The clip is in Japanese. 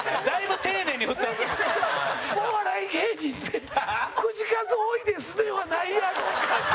お笑い芸人で「口数多いですね」はないやろ。